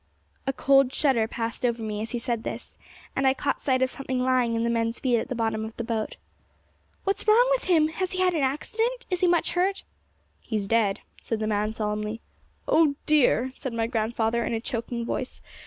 A cold shudder passed over me as he said this, and I caught sight of something lying at the men's feet at the bottom of the boat. 'What's wrong with him? Has he had an accident? Is he much hurt?' 'He's dead,' said the man solemnly. 'Oh dear!' said my grandfather, in a choking voice.